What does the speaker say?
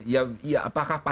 ya apakah pak